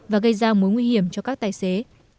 và gây ra mối nguy hiểm cho các tài xế